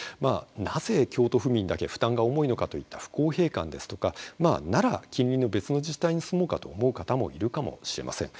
なぜ京都府民だけ負担が重いのかといった不公平感ですとかなら近隣の別の自治体に住もうかと思う方もいるかもしれません。